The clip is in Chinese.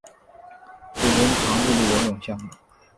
主攻长距离游泳项目。